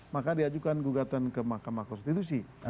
maka diajukan gugatan ke mahkamah konstitusi